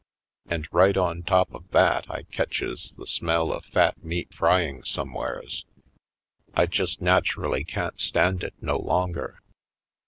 And right on top of that I catches the smell of fat meat fry ing somewheres. 72 /. PoindexteVj Colored I just naturally can't stand it no longer.